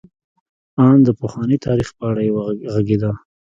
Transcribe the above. ان د پخواني تاریخ په اړه یې غږېده.